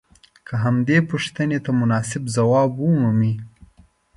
که همدې پوښتنې ته مناسب ځواب ومومئ.